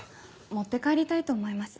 持って帰りたいと思います。